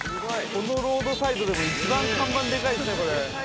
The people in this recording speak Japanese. このロードサイドでも一番看板でかいですね、これ。